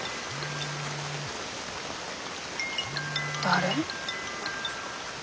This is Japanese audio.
誰？